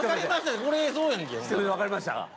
「わかりました？」